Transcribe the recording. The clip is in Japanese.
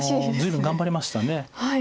随分頑張りました。